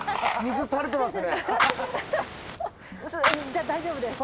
じゃあ大丈夫です。